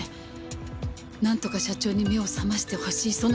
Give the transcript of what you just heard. なんとか社長に目を覚ましてほしい。